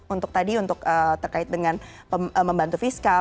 untuk tadi untuk terkait dengan membantu fiskal